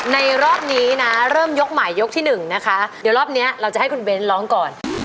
ในรอบนี้นะเริ่มยกใหม่ยกที่หนึ่งนะคะเดี๋ยวรอบนี้เราจะให้คุณเบ้นร้องก่อน